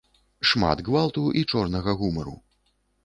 Шмат гвалту і чорнага гумару.